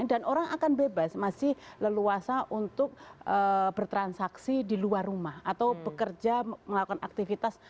orang akan bebas masih leluasa untuk bertransaksi di luar rumah atau bekerja melakukan aktivitas